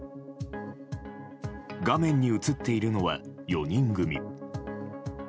画面に映っているのは４人組。